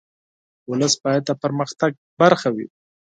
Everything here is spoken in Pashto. ولس باید د پرمختګ برخه وي.